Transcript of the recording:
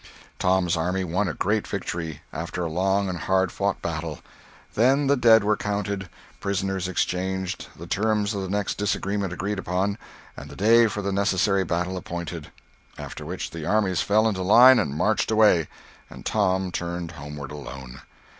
Tom's army won a great victory, after a long and hard fought battle. Then the dead were counted, prisoners exchanged, the terms of the next disagreement agreed upon, and the day for the necessary battle appointed; after which the armies fell into line and marched away, and Tom turned homeward alone.